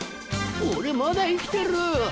俺まだ生きてる。